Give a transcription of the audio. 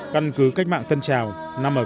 căn cứ cách mạng tân trào nằm ở phía đông bắc